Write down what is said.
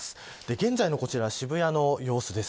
現在のこちら、渋谷の様子です。